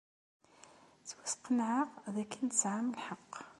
Ttwasqenɛeɣ dakken tesɛam lḥeqq.